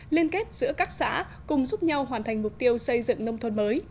liên kết giữa các xã cùng giúp nhau hoàn thành mục tiêu xây dựng nông thôn mới